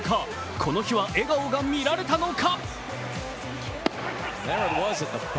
この日は笑顔が見られたのか。